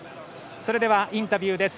それではインタビューです。